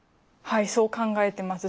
はいそう考えてます。